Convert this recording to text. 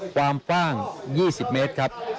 ความกว้าง๒๐เมตรครับ